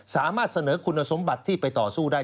สามารถเสนอคุณสมบัติที่ไปต่อสู้ได้